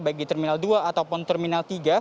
baik di terminal dua ataupun terminal tiga